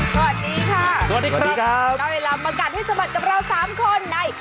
สวัสดีค่ะสวัสดีครับได้เวลามากัดให้สะบัดกับเราสามคนใน